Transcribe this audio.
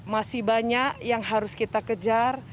masih banyak yang harus kita kejar